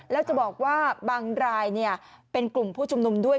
แล้วจะบอกว่าบางรายเป็นกลุ่มผู้ชุมนุมด้วย